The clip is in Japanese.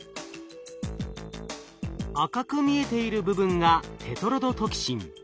赤く見えている部分がテトロドトキシン。